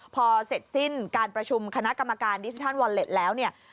พอเสร็จสิ้นการประชุมคณะกรรมการดิจิทัลวอลเล็ตแล้วเนี่ย